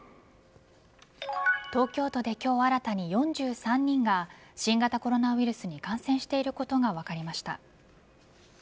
東京都で今日新たに４３人が新型コロナウイルスに感染していることが分かりました。